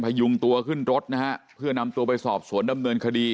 พยุงตัวขึ้นรถนะฮะเพื่อนำตัวไปสอบสวนดำเนินคดี